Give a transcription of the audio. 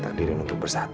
udah n strength banget